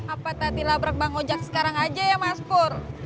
apa tadi labrak bang ojek sekarang aja ya mas pur